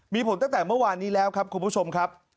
มีผลตั้งแต่เมื่อวานนี้แล้วครับคุณผู้ชมครับ